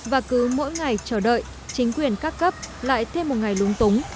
và cứ mỗi ngày chờ đợi chính quyền các cấp lại thêm một ngày lúng túng